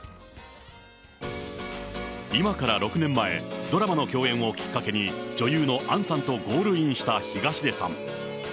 今から６年前、ドラマの共演をきっかけに、女優の杏さんとゴールインした東出さん。